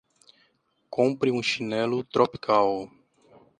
Compre um chinelo tropical